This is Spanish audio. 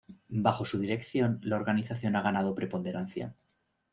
Bajo su dirección, la organización ha ganado preponderancia.